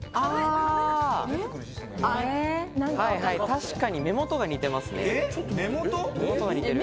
確かに目元が似てますね。